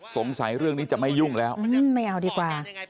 สงสัยเรื่องนี้จะไม่ยุ่งแล้วไม่เอาดีกว่า